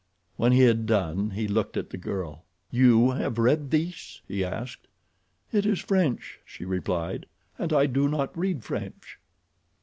When he had done he looked at the girl. "You have read this?" he asked. "It is French," she replied, "and I do not read French."